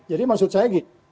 jadi maksud saya gitu